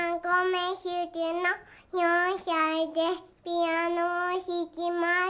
ピアノをひきます。